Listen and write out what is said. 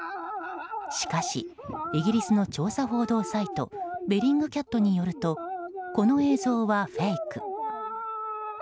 しかしイギリスの調査報道サイトべリングキャットによるとこの映像はフェイク。